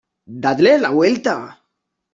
¡ Dadle la vuelta!